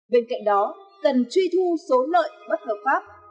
bên cạnh đó cần truy thu số lợi bất hợp pháp